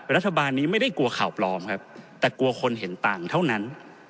รัฐบาลนี้ไม่ได้กลัวข่าวปลอมครับแต่กลัวคนเห็นต่างเท่านั้น